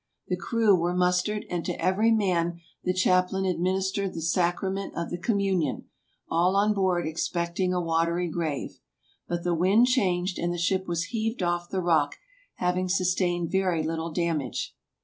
The crew were mus tered, and to every man the chaplain administered the sacra ment of the communion, all on board expecting a watery grave. But the wind changed, and the ship was heaved off the rock, having sustained very little damage.